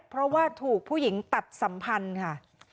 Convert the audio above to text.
เพราะว่าถูกผู้หญิงตัดสัมพันธ์ค่ะ